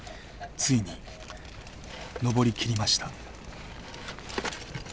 ついに登り切りました。